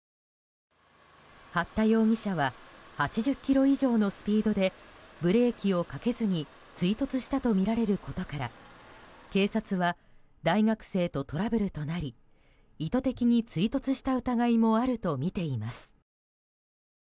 八田容疑者は８０キロ以上のスピードでブレーキをかけずに追突したとみられることから警察は、大学生とトラブルとなり意図的に追突した疑いもあるとみています。